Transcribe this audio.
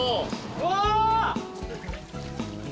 うわ！